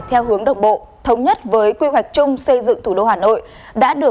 theo hướng đồng bộ